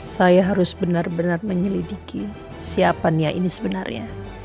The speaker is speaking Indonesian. saya harus benar benar menyelidiki siapa niat ini sebenarnya